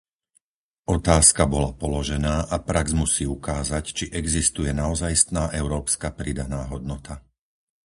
Otázka bola položená a prax musí ukázať, či existuje naozajstná európska pridaná hodnota.